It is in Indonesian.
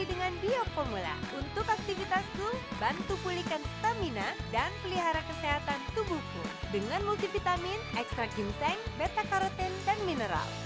ekstrak ginseng beta karotin dan mineral